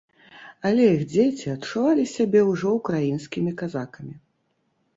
Але іх дзеці адчувалі сябе ўжо украінскімі казакамі.